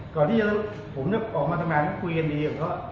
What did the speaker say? ก่อนที่ผมจะออกมาทำงานก็คุยกันดีผมก็